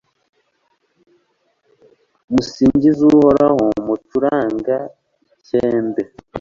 nimusingize uhoraho mucuranga icyembe